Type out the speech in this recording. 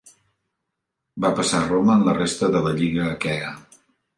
Va passar a Roma amb la resta de la lliga Aquea.